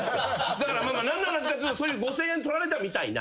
だから何の話かっつうと５，０００円取られたみたいな。